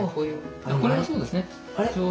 これがそうですね。